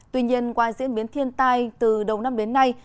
tuy nhiên qua diễn biến thiên tai từ đầu năm đến nay